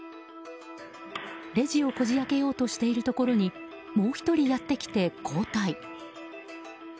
レジをこじ開けようとしているところにもう１人、やってきて交代。